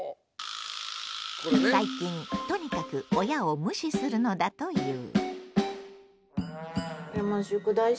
最近とにかく親を無視するのだという。